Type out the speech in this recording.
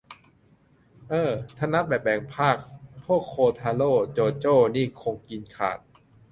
เอ้อ ถ้านับแบบแบ่งภาค พวกโคทาโร่ โจโจ้ นี่คงกินขาด